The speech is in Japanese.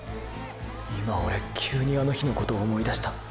今オレ急にあの日のこと思い出した。